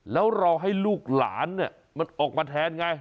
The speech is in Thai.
แล้วรอให้ลูกหลานเนี่ยมันออกมาแทนไง